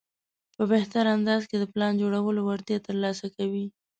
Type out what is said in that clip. په بهتر انداز کې د پلان جوړولو وړتیا ترلاسه کوي.